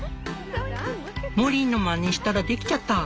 「モリーのまねしたらできちゃった。